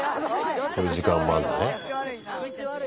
こういう時間もあるんだね。